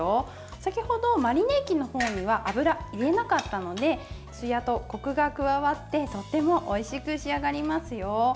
先ほどマリネ液のほうには油、入れなかったのでつやとコクが加わってとってもおいしく仕上がりますよ。